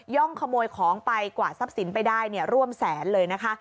่องขโมยของไปกว่าทรัพย์สินไปได้ร่วมแสนเลยนะคะ